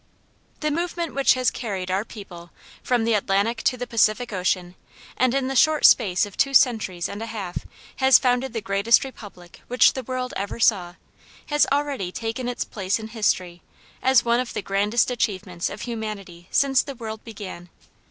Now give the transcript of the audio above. The movement which has carried our people from the Atlantic to the Pacific Ocean and in the short space of two centuries and a half has founded the greatest republic which the world ever saw, has already taken its place in history as one of the grandest achievements of humanity since the world began.